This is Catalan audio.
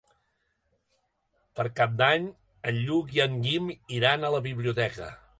Per Cap d'Any en Lluc i en Guim iran a la biblioteca.